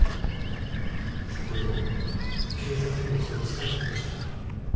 先ほど警察にもそう伝えてきました。